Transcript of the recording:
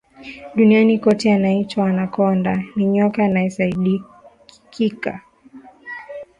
duniani kote aitwaye Anacconda ni nyoka anayesadikika